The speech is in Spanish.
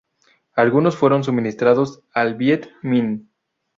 Algunos fueron suministrados al Viet Minh.